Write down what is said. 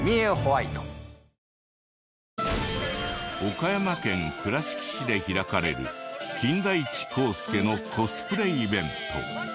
岡山県倉敷市で開かれる金田一耕助のコスプレイベント。